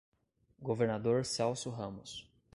Governador Celso Ramos